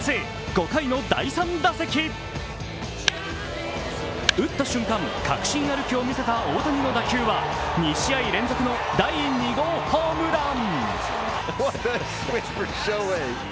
５回の第３打席打った瞬間、確信歩きを見せた大谷の打球は２試合連続の第２号ホームラン。